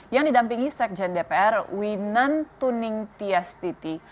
yang didampingi sekjen dpr winan tuning tiestiti